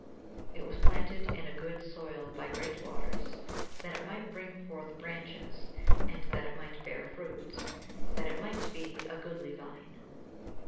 [Verse: "It was planted in a good soil by great waters, that it might bring forth branches, and that it might bear fruit, that it might be a goodly vine."